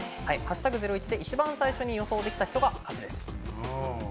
「＃ゼロイチ」で一番最初に予想できた人が勝ちです。